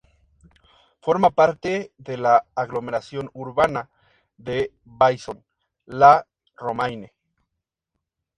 Forma parte de la aglomeración urbana de Vaison-la-Romaine.